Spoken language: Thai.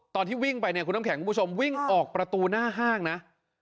ตอนที่วิ่งไปคุณคุณหมูชมพี่สัมพิยาบาทออกประตูหน้าห้างนะ